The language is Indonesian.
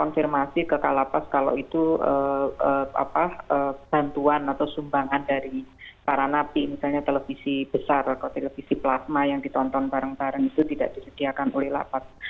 konfirmasi ke kalapas kalau itu bantuan atau sumbangan dari para napi misalnya televisi besar atau televisi plasma yang ditonton bareng bareng itu tidak disediakan oleh lapas